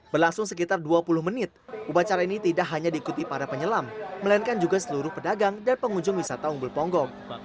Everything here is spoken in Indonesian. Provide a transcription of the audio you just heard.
berlangsung sekitar dua puluh menit upacara ini tidak hanya diikuti para penyelam melainkan juga seluruh pedagang dan pengunjung wisata umbul ponggong